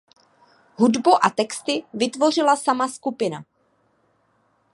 Hudbu a texty vytvořila sama skupina.